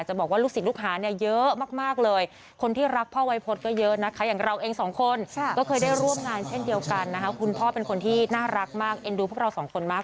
ใช่ค่ะเอาล่ะคุณพ่อไวพศ